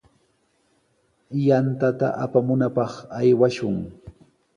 Yantata apamunapaq aywashun.